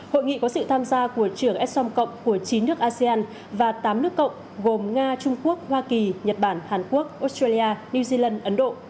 hội nghị có sự tham gia của trưởng som cộng của chín nước asean và tám nước cộng gồm nga trung quốc hoa kỳ nhật bản hàn quốc australia new zealand ấn độ